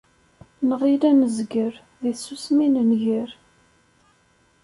Nɣill ad nezger... deg tsusmi nenger!